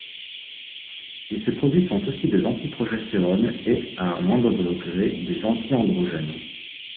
Mais ces produits sont aussi des anti-progestérones et à un moindre degré des anti-androgènes.